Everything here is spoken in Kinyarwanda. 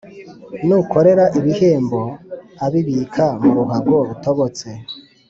N ukorera ibihembo abibika mu ruhago rutobotse